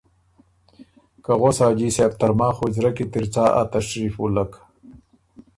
که ”غؤس حاجی صاب! ترماخ حجرۀ کی ت اِر څا ا تشریف وُلّک؟